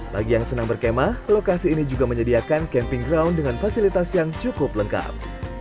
bagi yang senang berkemah lokasi ini juga menyediakan camping ground dengan fasilitas yang cukup lengkap